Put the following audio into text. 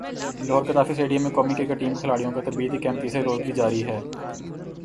Lahore Gaddafi stadium میں قومی cricket team کے کھلاڑیوں کا تربیتی کیمپ تیسرے روز بھی جاری